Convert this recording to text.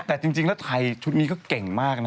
แต่จริงแล้วไทยชุดนี้ก็เก่งมากนะ